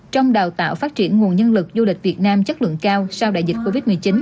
trong đào tạo phát triển nguồn nhân lực du lịch việt nam chất lượng cao sau đại dịch covid một mươi chín